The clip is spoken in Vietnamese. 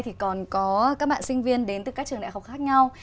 thì còn có các bạn sinh viên đến từ các trường đại học khác nhau